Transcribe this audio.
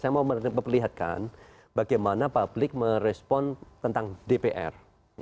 saya mau memperlihatkan bagaimana publik merespon tentang dpr